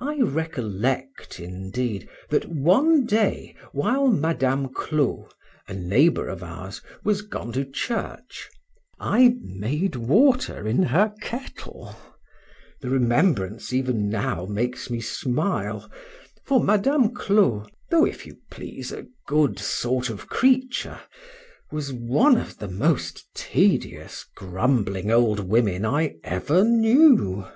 I recollect, indeed, that one day, while Madam Clot, a neighbor of ours, was gone to church, I made water in her kettle: the remembrance even now makes me smile, for Madame Clot (though, if you please, a good sort of creature) was one of the most tedious grumbling old women I ever knew.